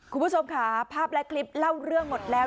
คุณผู้ชมค่ะภาพและคลิปเล่าเรื่องหมดแล้ว